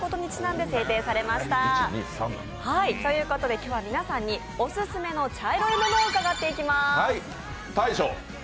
今日は皆さんにオススメの茶色いものを伺っていきます。